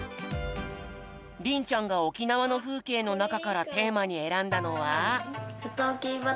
りんちゃんがおきなわのふうけいのなかからテーマにえらんだのは。